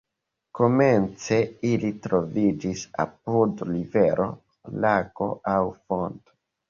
Komence ili troviĝis apud rivero, lago aŭ fonto.